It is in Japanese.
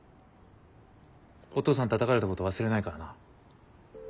お父さんたたかれたこと忘れないからな。